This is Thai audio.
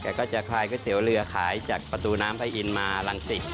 เขาก็จะคลายก๋วยเตี๋ยวเรือขายจากปทุน้ำไทยอินมารังศีก